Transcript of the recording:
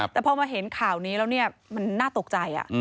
แต่พอมาเห็นข่าวนี้แล้วเนี่ยมันน่าตกใจ